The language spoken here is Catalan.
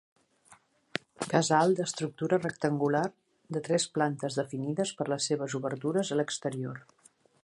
Casal d'estructura rectangular, de tres plantes definides per les seves obertures a l'exterior.